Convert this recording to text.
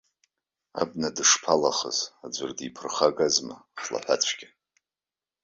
Абна дышԥалахыз, аӡәыр диԥырхагазма, хлаҳәацәгьа.